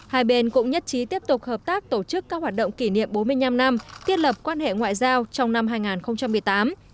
hai bên cũng nhất trí tiếp tục hợp tác tổ chức các hoạt động kỷ niệm bốn mươi năm năm tiết lập quan hệ ngoại giao trong năm hai nghìn một mươi tám